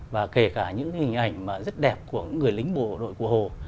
và kể cả những hình ảnh rất đẹp của người lính bộ đội của hồ